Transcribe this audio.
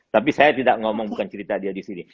tapi saya tidak ngomong bukan cerita dia disini